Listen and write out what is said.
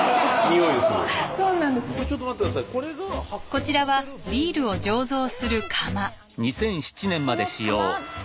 こちらはビールを醸造する釜。